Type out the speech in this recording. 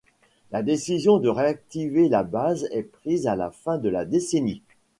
La décision de réactiver la base est prise à la fin de la décennie.